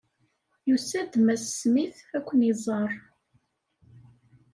Yusa-d Mass Smith ad ken-iẓeṛ.